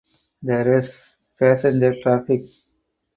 There is passenger traffic.